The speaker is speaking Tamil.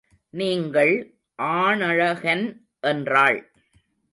நீங்கள் ஆணழகன் என்றாள்.